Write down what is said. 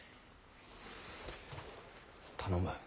頼む。